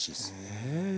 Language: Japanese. へえ。